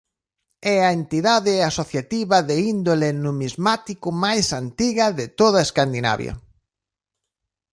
É a entidade asociativa de índole numismático máis antiga de toda Escandinavia.